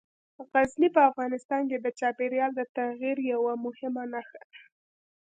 غزني په افغانستان کې د چاپېریال د تغیر یوه مهمه نښه ده.